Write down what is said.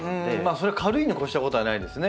それは軽いに越したことはないですね